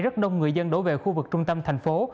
rất đông người dân đổ về khu vực trung tâm thành phố